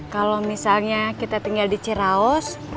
kalau misalnya kita tinggal di ciraus